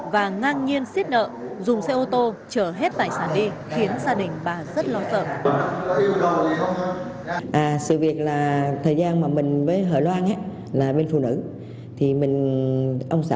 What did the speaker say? và ngang nhiên xiết nợ dùng xe ô tô chở hết tài sản đi khiến gia đình bà rất lo sợ